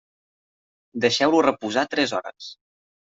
Deixeu-lo reposar tres hores.